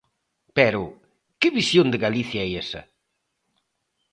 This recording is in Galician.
Pero ¿que visión de Galicia é esa?